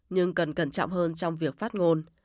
nhưng cần cẩn trọng hơn trong việc phát ngôn